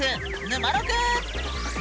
「ぬまろく」！